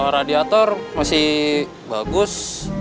radiator masih bagus